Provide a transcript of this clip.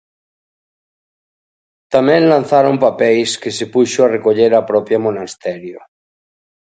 Tamén lanzaron papeis que se puxo a recoller a propia Monasterio.